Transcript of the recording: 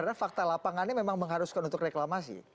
karena fakta lapangannya memang mengharuskan untuk reklamasi